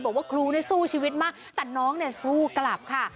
บอกว่าครูสู้ชีวิตมากแต่น้องเนี่ยสู้กลับค่ะ